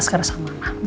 sekarang sama mama